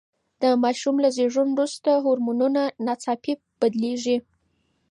د ماشوم له زېږون وروسته هورمونونه ناڅاپي بدلیږي.